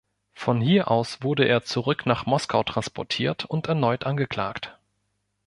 Von hier aus wurde er zurück nach Moskau transportiert und erneut angeklagt.